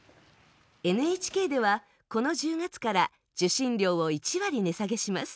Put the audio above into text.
ＮＨＫでは、この１０月から受信料を１割値下げします。